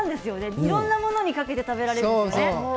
いろんなものにかけて食べられるんです。